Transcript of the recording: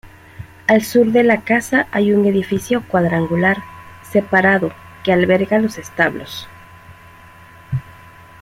Al sur de la casa hay un edificio cuadrangular separado que alberga los establos.